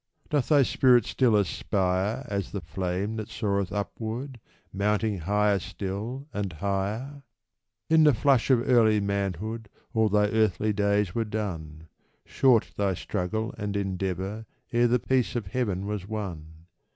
Doth thy spirit still aspire As the flame that soareth upward, mounting higher still, and higher ? In the flush of early manhood all thy earthly days were done ; Short thy struggle and endeavor ere the peace of heaven was won.